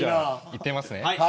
やってみますね。